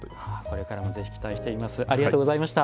これからもぜひ期待しています。